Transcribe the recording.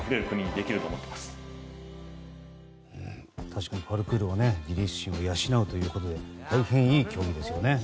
確かにパルクールは自立心を養うということで大変いい教育ですね。